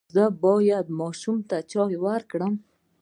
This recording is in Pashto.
ایا زه باید ماشوم ته چای ورکړم؟